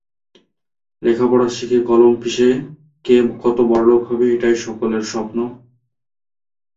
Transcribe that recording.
লেখাপড়া শিখে কলম পিষে কে কত বড়লোক হবে এটাই সকলের স্বপ্ন।